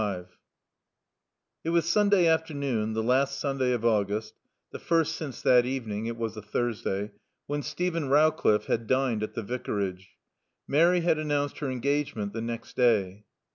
XLV It was Sunday afternoon, the last Sunday of August, the first since that evening (it was a Thursday) when Steven Rowcliffe had dined at the Vicarage. Mary had announced her engagement the next day.